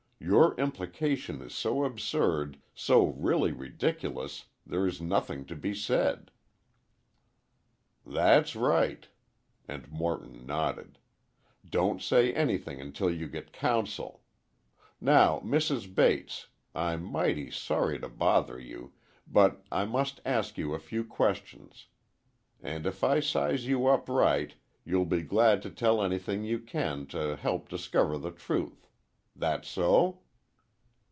Your implication is so absurd, so really ridiculous, there is nothing to be said." "That's right," and Morton nodded. "Don't say anything until you get counsel. Now, Mrs. Bates—I'm mighty sorry to bother you—but I must ask you a few questions. And if I size you up right, you'll be glad to tell anything you can to help discover the truth. That so?"